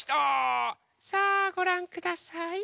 さあごらんください。